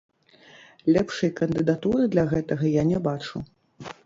Лепшай кандыдатуры для гэтага я не бачу.